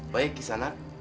baik kisah nak